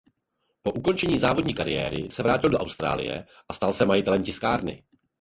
Po ukončení závodní kariéry se vrátil do Austrálie a stal se majitelem tiskárny.